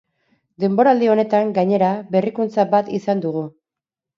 Denboraldi honetan, gainera, berrikuntza bat izan dugu.